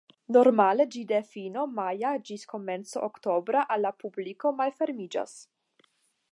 Normale ĝi de fino maja ĝis komenco oktobra al la publiko malfermiĝas.